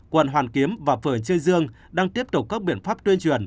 quảng hoàn kiếm và phường trương dương đang tiếp tục các biện pháp tuyên truyền